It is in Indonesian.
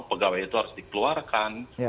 pegawai itu harus dikeluarkan